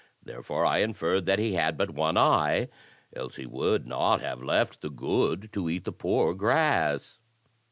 Therefore, I inferred that he had but one eye, else he would not have left the good to eat the poor grass."